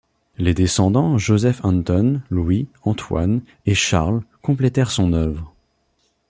Les descendants Joseph Anton, Louis, Antoine et Charles complétèrent son œuvre.